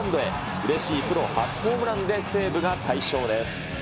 うれしいプロ初ホームランで西武が大勝です。